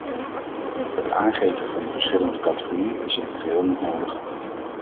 Het aangeven van de verschillende categorieën is in het geheel niet nodig.